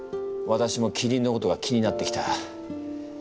私もキリンのことが気になってきた。